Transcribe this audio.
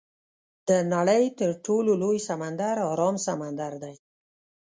د نړۍ تر ټولو لوی سمندر ارام سمندر دی.